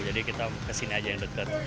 jadi kita kesini saja yang dekat